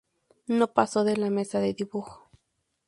No pasó de la mesa de dibujo.